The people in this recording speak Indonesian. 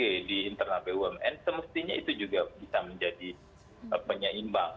jadi internal bumn semestinya itu juga bisa menjadi penyeimbang